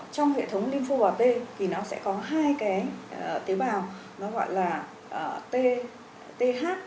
trong hệ thống lympho bào t thì nó sẽ có hai cái tế bào nó gọi là th